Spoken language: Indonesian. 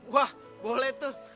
wah boleh tuh